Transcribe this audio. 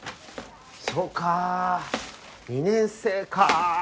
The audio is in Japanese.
そうか２年生か。